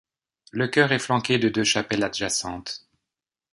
Le chœur est flanqué de deux chapelles adjacentes.